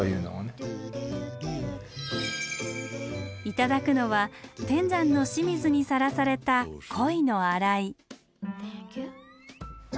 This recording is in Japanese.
頂くのは天山の清水にさらされたえ！